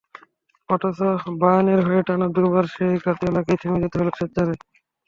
অথচ বায়ার্নের হয়ে টানা দুবার সেই গার্দিওলাকেই থেমে যেতে হলো শেষ চারে।